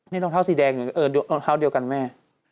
นี่รองเท้าสีแดงหรือรองเท้าเดียวกันแม่